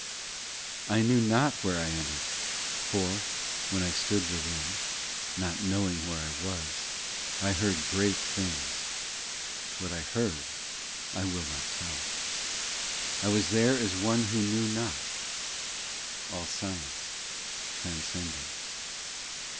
i I knew not where I entered, For, when I stood within, Not knowing where I was, I heard great things. What I heard I will not tell : I was there as one who knew not, All science transcending.